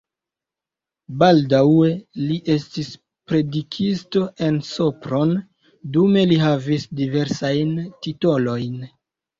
Baldaŭe li estis predikisto en Sopron, dume li havis diversajn titolojn.